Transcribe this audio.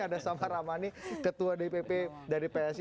ada samara amani ketua dpp dari psi